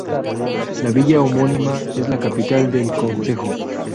La villa homónima es la capital del concejo.